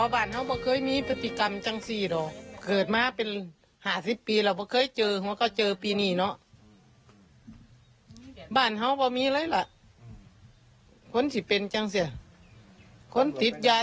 บ้านเขาเนี่ย